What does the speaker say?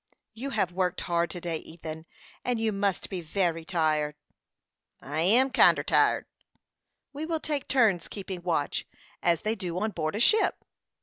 "You have worked hard to day, Ethan, and you must be very tired." "I am kinder tired." "We will take turns keeping watch, as they do on board a ship."